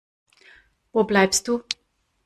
Wo bleibst du?